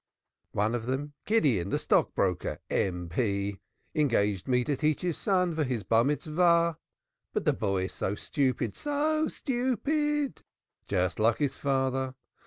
"One of them Gideon, M.P., the stockbroker, engaged me to teach his son for his Bar mitzvah, But the boy is so stupid! So stupid! Just like his father.